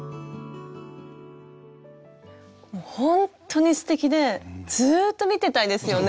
もうほんとにすてきでずっと見てたいですよね。